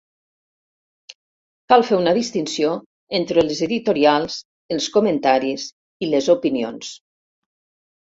Cal fer una distinció entre les editorials, els comentaris i les opinions.